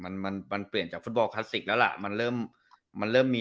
มันมันเปลี่ยนจากฟุตบอลคลาสสิกแล้วล่ะมันเริ่มมันเริ่มมี